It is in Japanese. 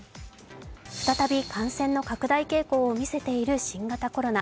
再び感染の拡大傾向を見せている新型コロナ。